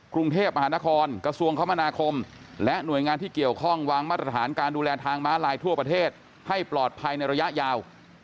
กรุงเทพมหานครกระทรวงคมนาคมและหน่วยงานที่เกี่ยวข้องวางมาตรฐานการดูแลทางม้าลายทั่วประเทศให้ปลอดภัยในระยะยาว